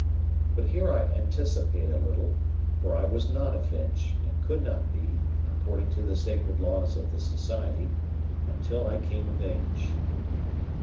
But here I anticipate a little, for I was not a Finch, and could not be, according to the sacred laws of the society, until I came of age.